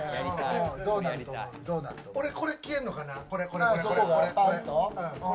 これ消えるのかな？